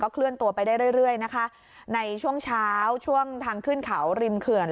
เคลื่อนตัวไปได้เรื่อยเรื่อยนะคะในช่วงเช้าช่วงทางขึ้นเขาริมเขื่อน